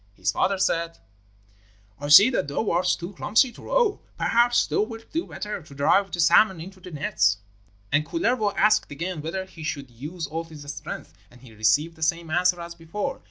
His father said: 'I see that thou art too clumsy to row; perhaps thou wilt do better to drive the salmon into the nets.' And Kullervo asked again whether he should use all his strength, and he received the same answer as before.